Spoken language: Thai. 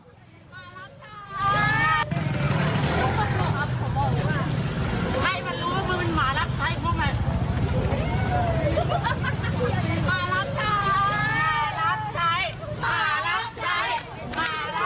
คุณผู้ชมครับเหตุการณ์เกิดขึ้นที่รามคำแหงเมื่อวานนี้นะครับ